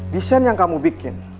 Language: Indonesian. desain yang kamu bikin